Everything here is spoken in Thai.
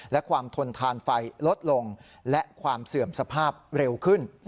และความทนทานไฟลดลงและความเสื่อมสภาพเร็วขึ้น